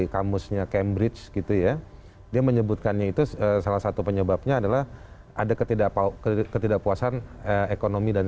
kamusnya cambridge gitu ya dia menyebutkannya itu salah satu penyebabnya adalah ada ketidakpuasan ekonomi dan